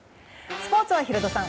スポーツはヒロドさん